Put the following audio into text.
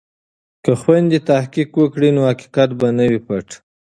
که خویندې تحقیق وکړي نو حقیقت به نه وي پټ.